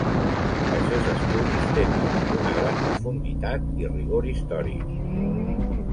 Els seus estudis tenen una gran profunditat i rigor històric.